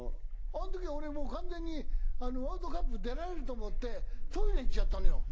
あの時俺もう完全にワールドカップ出られると思ってトイレ行っちゃったのよ。